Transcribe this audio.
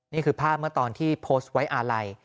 นี่คือภาพเมื่อตอนที่โพสต์ไว้อาลัย